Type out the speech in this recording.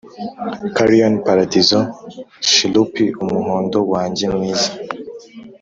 carrion, paradizo, chirrup umuhondo wanjye mwiza.